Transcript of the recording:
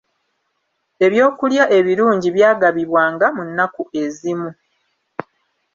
Ebyokulya ebirungi byagabibwanga mu nnaku ezimu.